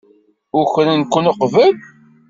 Ukren-ken uqbel?